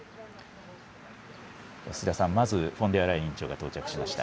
須田さん、まず、フォンデアライエン委員長が到着しました。